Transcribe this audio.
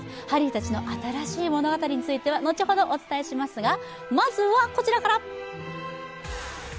ハリーたちの新しい物語については後ほど、お伝えしますがまずはこちらから。